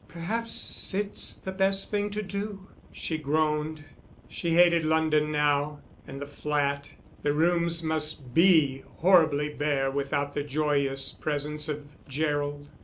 "Perhaps it's the best thing to do," she groaned. She hated London now and the flat; the rooms must be horribly bare without the joyous presence of Gerald.